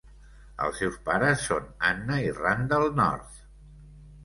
Els seus pares són Anna i Randall North.